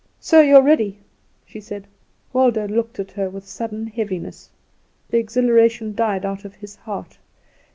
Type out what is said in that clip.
"So you are ready," she said. Waldo looked at her with sudden heaviness; the exhilaration died out of his heart.